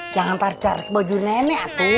jangan tarik tarik baju nenek atu